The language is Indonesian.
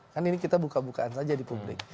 kan ini kita buka bukaan saja di publik